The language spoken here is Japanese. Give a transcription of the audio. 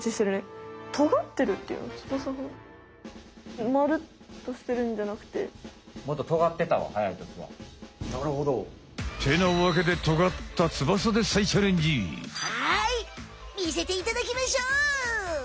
もっとなるほど。ってなわけではいみせていただきましょう！